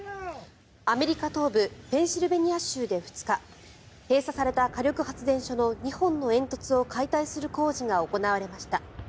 アメリカ東部ペンシルベニア州で２日閉鎖された火力発電所の２本の煙突を解体する工事が行われました。